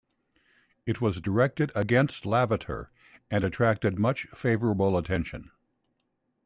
It was directed against Lavater, and attracted much favorable attention.